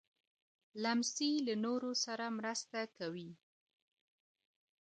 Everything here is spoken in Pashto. لمسی له نورو سره مرسته کوي.